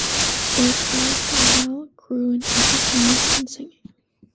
It was where Bilal grew an interest in music and singing.